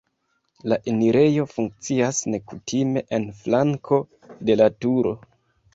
La enirejo funkcias nekutime en flanko de la turo.